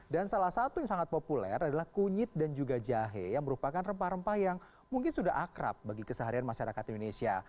dan salah satu yang sangat populer adalah kunyit dan juga jahe yang merupakan rempah rempah yang mungkin sudah akrab bagi keseharian masyarakat indonesia